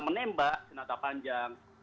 menembak senjata panjang